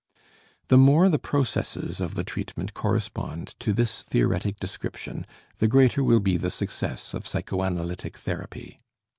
The more the processes of the treatment correspond to this theoretic description the greater will be the success of psychoanalytic therapy.